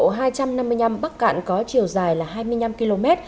lộ hai trăm năm mươi năm bắc cạn có chiều dài là hai mươi năm km